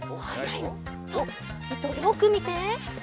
いとをよくみて。